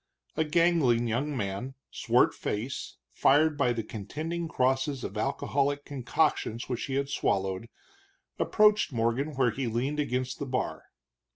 A gangling young man, swart faced, fired by the contending crosses of alcoholic concoctions which he had swallowed, approached Morgan where he leaned against the bar.